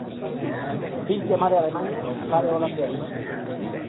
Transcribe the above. Fill de mare alemanya i pare holandès.